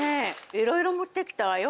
いろいろ持ってきたわよ。